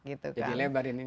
jadi lebar ini ya